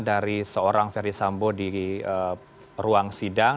dari seorang ferdi sambo di ruang sidang